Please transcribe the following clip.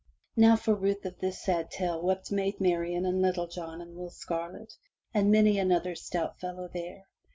*' Now for ruth of this sad tale wept Maid Marian and Little John and Will Scarlet, and many another stout fellow there.